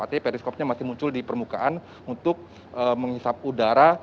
artinya periskopnya masih muncul di permukaan untuk menghisap udara